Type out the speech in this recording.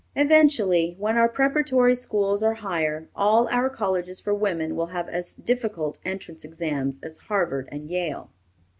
Eventually, when our preparatory schools are higher, all our colleges for women will have as difficult entrance examinations as Harvard and Yale.